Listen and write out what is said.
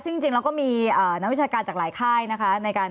ซึ่งจริงแล้วก็มีนักวิชาการจากหลายค่ายนะคะ